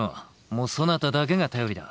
もうそなただけが頼りだ。